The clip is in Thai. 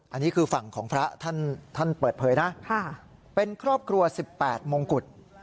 อันนี้คือฝั่งของพระท่านเปิดเผยนะเป็นครอบครัว๑๘มงกุฎ